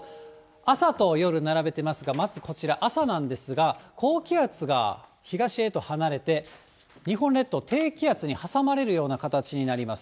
朝と夜、並べてますが、まずこちら、朝なんですが、高気圧が東へと離れて、日本列島、低気圧に挟まれるような形になります。